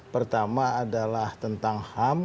pertama adalah tentang hak